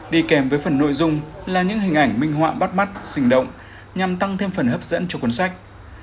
đi kèm với phần nội dung là những hình ảnh minh họa bắt mắt xình động nhằm tăng thêm phần hấp dẫn cho cuốn sách